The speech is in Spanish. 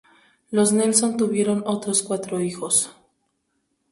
Los Nelson tuvieron otros cuatro hijos.